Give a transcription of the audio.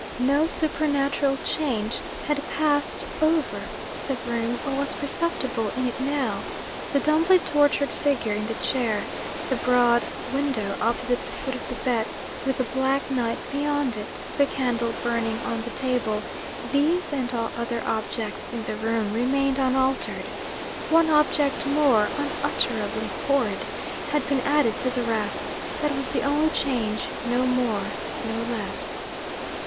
No supernatural change had passed over the room, or was perceptible in it now. The dumbly tortured figure in the chair; the broad window opposite the foot of the bed, with the black night beyond it; the candle burning on the table these, and all other objects in the room, remained unaltered. One object more, unutterably horrid, had been added to the rest. That was the only change no more, no less.